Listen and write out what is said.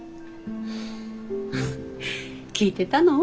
聞いてたの？